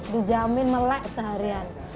dijamin melek seharian